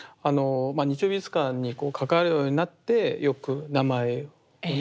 「日曜美術館」に関わるようになってよく名前をね